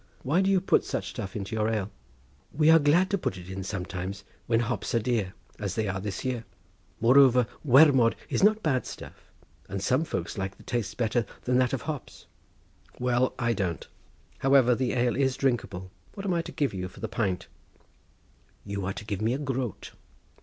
Why do you put such stuff into your ale?" "We are glad to put it in sometimes when hops are dear, as they are this year. Moreover, wermod is not bad stuff, and some folks like the taste better than that of hops." "Well, I don't. However, the ale is drinkable. What am I to give you for the pint?" "You are to give me a groat."